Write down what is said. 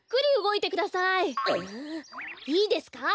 いいですか？